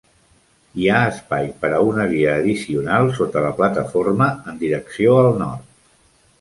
Hi ha espai per a una via addicional sota la plataforma en direcció al nord.